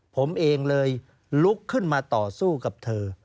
ผมเองเลยลุกขึ้นมาต่อสู้กับเธอ